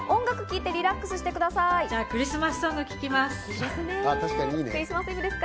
クリスマスソングを聴きます。